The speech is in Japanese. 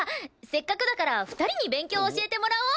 せっかくだから２人に勉強教えてもらおう！